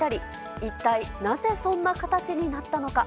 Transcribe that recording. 一体なぜそんな形になったのか。